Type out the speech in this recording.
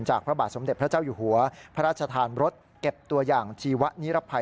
พระบาทสมเด็จพระเจ้าอยู่หัวพระราชทานรถเก็บตัวอย่างชีวะนิรภัย